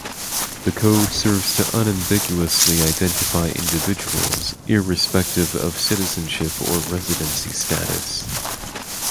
The code serves to unambiguously identify individuals irrespective of citizenship or residency status.